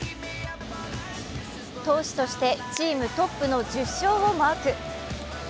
投手としてチームトップの１０勝をマーク。